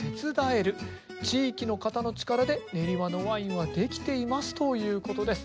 地域の方の力で練馬のワインは出来ていますということです。